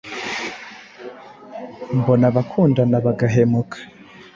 Mbona abakundana bagahemuka